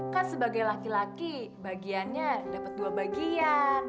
kan sebagai laki laki bagiannya dapat dua bagian